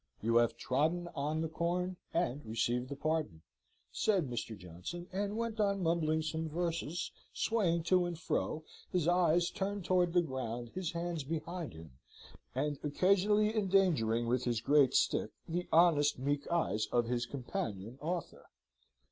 You have trodden on the corn, and received the pardon," said Mr. Johnson, and went on mumbling some verses, swaying to and fro, his eyes turned towards the ground, his hands behind him, and occasionally endangering with his great stick the honest, meek eyes of his companion author.